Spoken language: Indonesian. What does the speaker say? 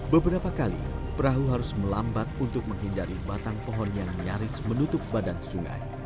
beberapa kali perahu harus melambat untuk menghindari batang pohon yang nyaris menutup badan sungai